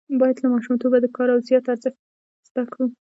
باید له ماشومتوبه د کار او زیار ارزښت زده کړو.